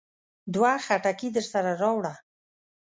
دوه خټکي درسره راوړه.